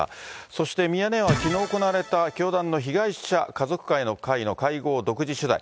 そしてミヤネ屋は、きのう行われた教団の被害者家族会の会の会合を独自取材。